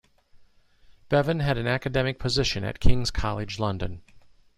Bevan had an academic position at King's College London.